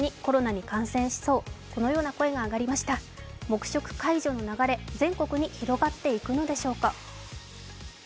黙食解除の流れ、全国に広がっていくのでしょうか。